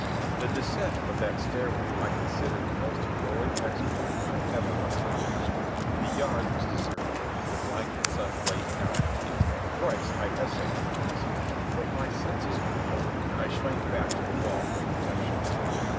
The descent of that stairway I consider the most heroic exploit I ever accomplished. The yard was deserted. The blinding sun blazed down on it. Thrice I essayed to cross it. But my senses reeled and I shrank back to the wall for protection.